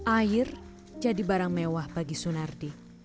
air jadi barang mewah bagi sunardi